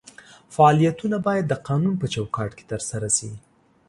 فعالیتونه باید د قانون په چوکاټ کې ترسره شي.